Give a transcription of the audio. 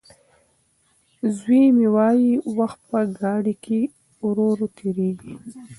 زوی مې وايي وخت په ګاډي کې ورو تېرېږي.